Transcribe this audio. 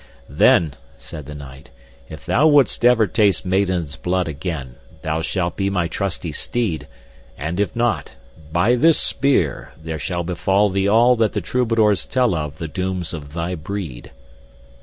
"Then," said the knight, "if thou would'st ever taste maiden's blood again thou shalt be my trusty steed, and if not, by this spear there shall befall thee all that the troubadours tell of the dooms of thy breed."